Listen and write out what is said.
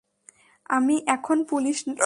আমি এখন পুলিশ নই।